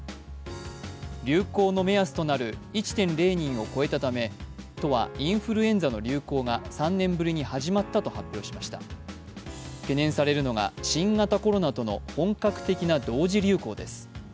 流行の目安となる１．０人を超えたため、都はインフルエンザの流行が３年ぶりに始まったと発表しました懸念されるのが新型コロナとの本格的な同時流行です。